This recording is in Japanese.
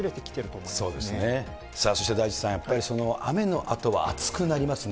そうですね、さあそして、大地さん、やっぱり雨のあとは暑くなりますね。